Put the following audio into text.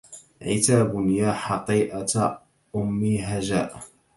عتاب يا حطيئة أم هجاء